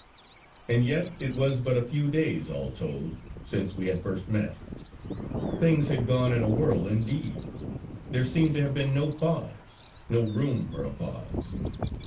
And yet it was but a few days, all told, since we had first met. Things had gone in a whirl indeed. There seemed to have been no pause; no room for a pause.